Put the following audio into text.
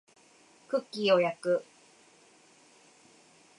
クッキーを焼く